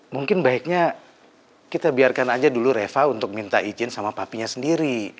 mungkin baiknya kita biarkan aja dulu reva untuk minta izin sama papinya sendiri